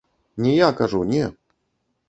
Не я, кажу, не.